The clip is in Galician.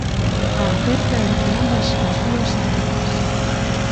A aperta entre ambas as dúas irmás.